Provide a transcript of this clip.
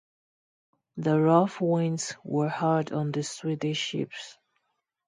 The rough winds were hard on the Swedish ships.